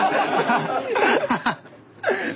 ハハッ！